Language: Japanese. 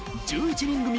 １１人組